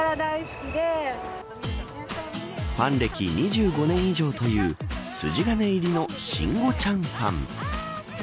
ファン歴２５年以上という筋金入りの慎吾ちゃんファン。